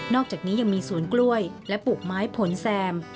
อกจากนี้ยังมีสวนกล้วยและปลูกไม้ผลแซม